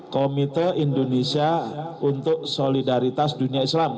komite indonesia untuk solidaritas dunia islam